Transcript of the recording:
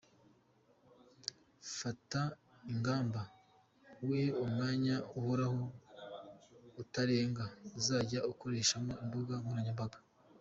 Fata ingamba, wihe umwanya uhoraho utarenga uzajya ukoreshamo imbuga nkoranyambaga.